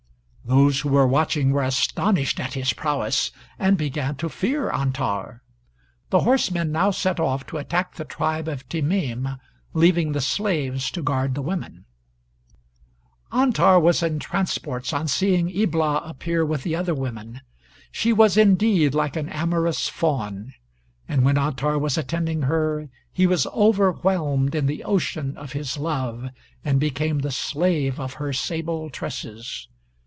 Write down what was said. [Those who were watching were astonished at his prowess, and began to fear Antar. The horsemen now set off to attack the tribe of Temeem, leaving the slaves to guard the women.] Antar was in transports on seeing Ibla appear with the other women. She was indeed like an amorous fawn; and when Antar was attending her, he was overwhelmed in the ocean of his love, and became the slave of her sable tresses.